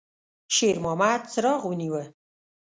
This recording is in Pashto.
شېرمحمد څراغ ونیوه.